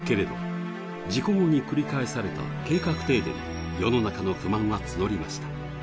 けれど、事故後に繰り返された計画停電に世の中の不満は募りました。